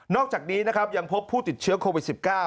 อกจากนี้นะครับยังพบผู้ติดเชื้อโควิด๑๙